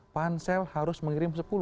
pansel harus mengirim sepuluh